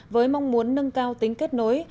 với mong muốn nâng cao tính kết nối